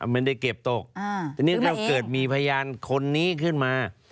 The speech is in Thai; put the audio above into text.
ไม่ได้เก็บตกทีนี้ถ้าเกิดมีพยานคนนี้ขึ้นมา